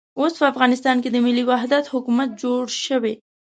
اوس په افغانستان کې د ملي وحدت حکومت جوړ شوی.